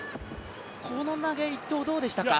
この投げ、１投、どうでしたか？